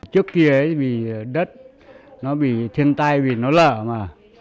trước kia vì đất nó bị thiên tai vì nó lở mà